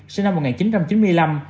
sinh năm một nghìn chín trăm chín mươi năm